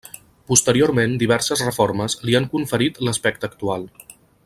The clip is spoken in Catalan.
Posteriorment diverses reformes li han conferit l'aspecte actual.